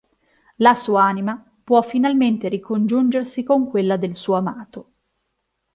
La sua anima può finalmente ricongiungersi con quella del suo amato.